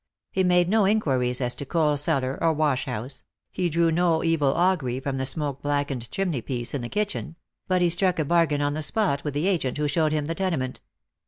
Ho made no inquiries as to coal cellar or wash house, he drew no evil augury from the smoke blackened chimneypiece in the kitchen : but he struck a bargain on the spot with the agent who showed him the tenement.